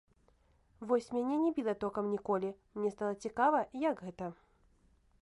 Вось мяне не біла токам ніколі, мне стала цікава, як гэта.